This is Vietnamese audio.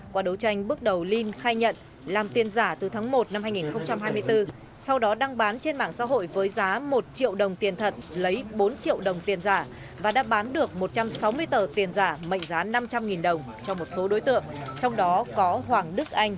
qua đấu tranh bước đầu linh khai nhận làm tiền giả từ tháng một năm hai nghìn hai mươi bốn sau đó đăng bán trên mạng xã hội với giá một triệu đồng tiền thật lấy bốn triệu đồng tiền giả và đã bán được một trăm sáu mươi đồng